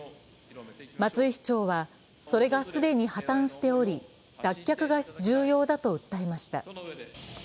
松井市長は、それが既に破綻しており、脱却が重要だと訴えました。